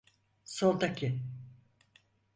Soldaki…